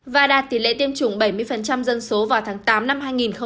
và đạt tỷ lệ tiêm chủng bảy mươi dân số vào tháng tám năm hai nghìn hai mươi